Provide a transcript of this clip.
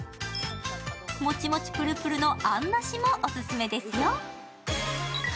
もちもちプルプルのあんなしもオススメですよ。